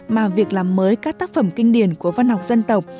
mà việc làm mới các tác phẩm kinh điển của văn học dân tộc